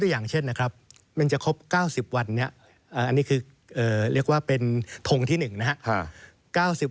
อย่างเช่นนะครับมันจะครบ๙๐วันนี้อันนี้คือเรียกว่าเป็นทงที่๑นะครับ